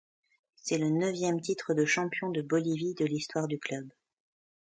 C'est le neuvième titre de champion de Bolivie de l'histoire du club.